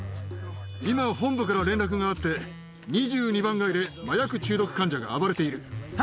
今、本部から連絡があって、２２番街で麻薬中毒患者が暴れている。